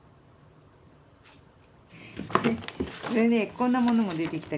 こんなものも出てきたけど。